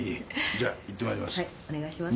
じゃ行ってまいります。